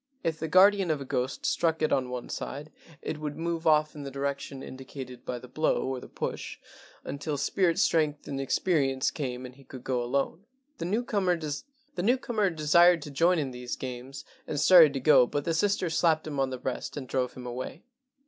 If the guardian of a ghost struck it on one side, it would move off A VISIT TO THE KING OF GHOSTS 103 in the direction indicated by the blow or the push until spirit strength and experience came and he could go alone. The newcomer desired to join in these games and started to go, but the sister slapped him on the breast and drove him away.